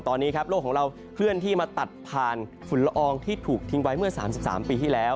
ตอนนี้ครับโลกของเราเคลื่อนที่มาตัดผ่านฝุ่นละอองที่ถูกทิ้งไว้เมื่อ๓๓ปีที่แล้ว